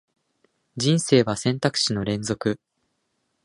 人生は選択肢の連続